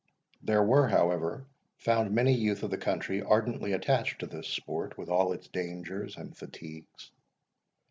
There were, however, found many youth of the country ardently attached to this sport, with all its dangers and fatigues.